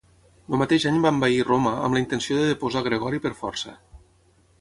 El mateix any va envair Roma amb la intenció de deposar Gregori per força.